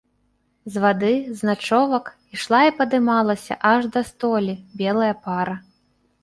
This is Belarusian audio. З вады, з начовак, ішла і падымалася аж да столі белая пара.